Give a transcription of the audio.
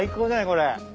これ。